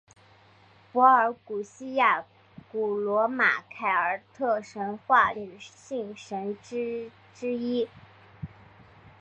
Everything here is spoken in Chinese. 柏尔古希亚古罗马凯尔特神话女性神只之一。